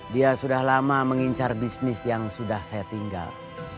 dia sudah lama mengincar bisnis yang sudah saya tinggal